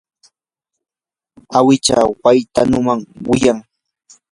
awicha waynutam wiyan.